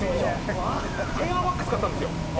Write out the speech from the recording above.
ヘアワックス買ったんですよ。